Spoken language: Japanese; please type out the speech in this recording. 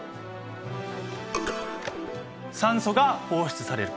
酸素が放出される。